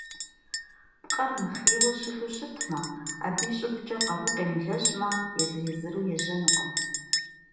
Пкъыр мыхъейуэ щылъу щытмэ, абы и щӏыбкӏэ къару къемылэжьмэ, езыр-езыру ежьэнукъым.